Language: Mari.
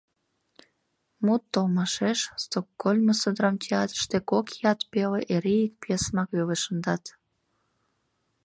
Мут толмашеш, Стокгольмысо драмтеатрыште кок ият пеле эре ик пьесымак веле шындат.